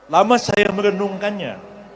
lama saya merenungkannya